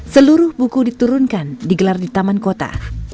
seluruh buku diturunkan digelar di taman kota